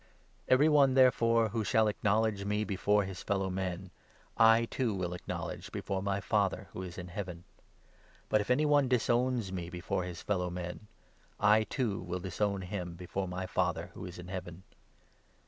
Every one, therefore, who shall acknowledge me before his fellow men, I, too, will acknowledge before my Father who is in Heaven ; but, if any one disowns me before his fellow men, I, too, will disown him before my Father who is in Heaven.